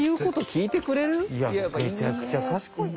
いやめちゃくちゃ賢いな。